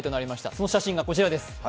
その写真がこちらです。